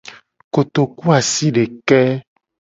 Kotokuasideke.